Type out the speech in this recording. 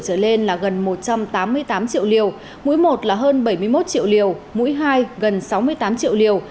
trở lên là gần một trăm tám mươi tám triệu liều mũi một là hơn bảy mươi một triệu liều mũi hai gần sáu mươi tám triệu liều